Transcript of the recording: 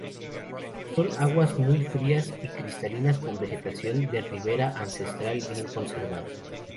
Son aguas muy frías y cristalinas, con vegetación de ribera ancestral bien conservada.